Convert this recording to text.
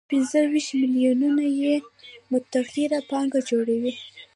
پاتې پنځه ویشت میلیونه یې متغیره پانګه جوړوي